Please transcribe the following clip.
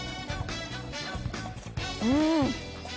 うん！